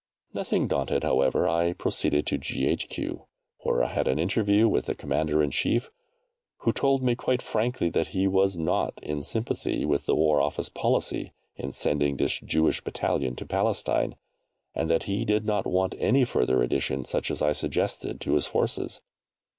Nothing daunted, however, I proceeded to G.H.Q., where I had an interview with the Commander in Chief, who told me quite frankly that he was not in sympathy with the War Office policy in sending this Jewish Battalion to Palestine, and that he did not want any further addition such as I suggested to his Forces.